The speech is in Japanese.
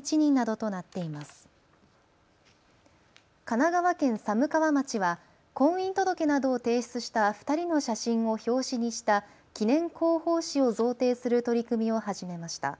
神奈川県寒川町は婚姻届などを提出した２人の写真を表紙にした記念広報誌を贈呈する取り組みを始めました。